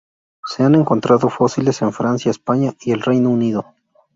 Se han encontrado fósiles en Francia, España y el Reino Unido.